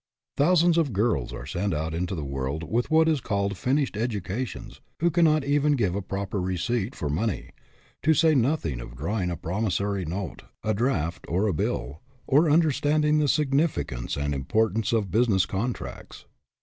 Thousands of girls are sent out into the world with what is called finished educations, who cannot even give a proper receipt for money, to say nothing of drawing a promis sory note, a draft or a bill, or understanding the significance and importance of business contracts.